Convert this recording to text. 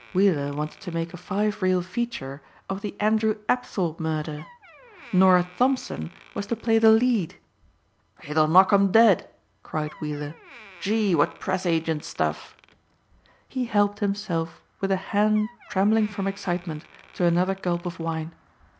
Weiller wanted to make a five reel feature of the Andrew Apthorpe murder. Norah Thompson was to play the lead! "It'll knock 'em dead!" cried Weiller. "Gee! What press agent stuff!" He helped himself with a hand trembling from excitement to another gulp of wine.